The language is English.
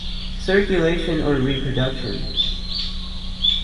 Circulation or reproduction?